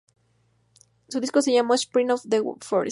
El disco se llamó "Spirit of the Forest".